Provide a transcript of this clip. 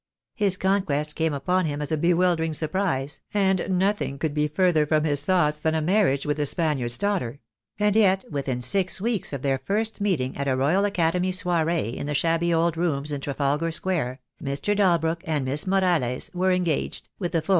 His conquest came upon him as a bewildering surprise, and nothing could be further from his thoughts than a marriage with the Spaniard's daughter; and yet within six weeks of their first meeting at a Royal Academy soiree in the shabby old rooms in Trafalgar Square, Mr. Dalbrook and Miss Morales were engaged, with the full 12 THE DAY WILL COME.